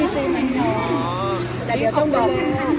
ชานั้นยังไม่ตื่น